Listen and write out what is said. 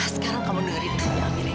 sekarang kamu dengerin ini amira